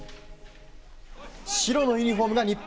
白のユニホームが日本。